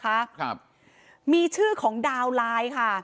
เขาลงเอาไว้นะคะครับมีชื่อของดาวน์ไลน์ค่ะ